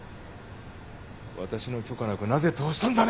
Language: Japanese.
私の許可なくなぜ通したんだね！？